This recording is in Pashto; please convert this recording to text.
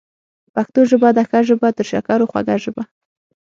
پښتو ژبه ده ښه ژبه، تر شکرو خوږه ژبه